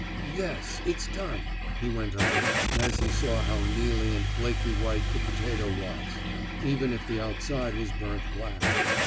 "Yes, it's done," he went on, as he saw how mealy and flaky white the potato was, even if the outside was burned black.